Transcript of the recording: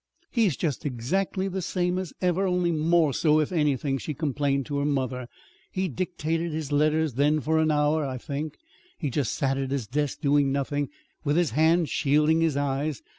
"He's just exactly the same as ever, only more so, if anything," she complained to her mother. "He dictated his letters, then for an hour, I think, he just sat at his desk doing nothing, with his hand shielding his eyes.